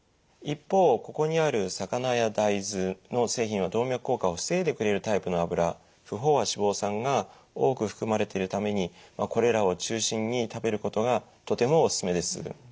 一方ここにある魚や大豆の製品は動脈硬化を防いでくれるタイプの脂不飽和脂肪酸が多く含まれているためにこれらを中心に食べることがとてもおすすめです。